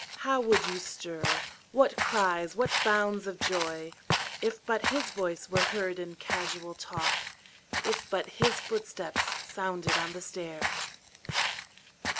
How would you stir, what cries, what bounds of joy. If but his voice were heard in casual talk. If but his footstep sounded on the stair!